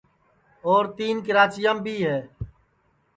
اور تین کراچیام بھی ہے